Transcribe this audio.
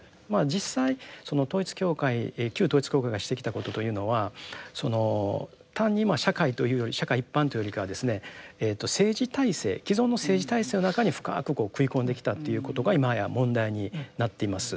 実際その統一教会旧統一教会がしてきたことというのはその単に社会というより社会一般というよりかはですね政治体制既存の政治体制の中に深くこう食い込んできたっていうことが今や問題になっています。